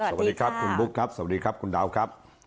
สวัสดีครับคุณบุ๊คครับสวัสดีครับคุณดาวครับ